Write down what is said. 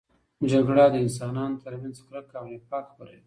جګړه د انسانانو ترمنځ کرکه او نفاق خپروي.